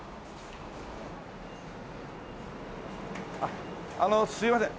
あっあのすいません。